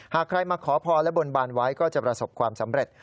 หากใครมาขอพรและบนบานไว้ก็จะประสบความสำเร็จ